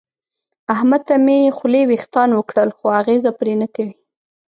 احمد ته مې خولې وېښتان وکړل خو اغېزه پرې نه کوي.